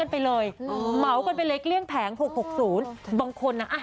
แรกเบิร์ดค่ะ